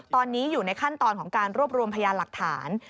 ตอนนี้อยู่ในขั้นตอนของการรวบรวมพยานหลักฐาน